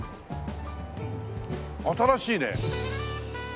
新しいね。